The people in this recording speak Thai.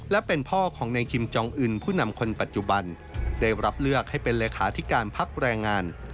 และเป็นพ่อของในคิมจองอื่นผู้นำคนปัจจุบันได้รับเลือกให้เป็นเลขาธิการพักแรงงาน